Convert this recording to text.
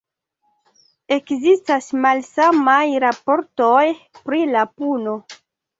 Ekzistas malsamaj raportoj pri la puno.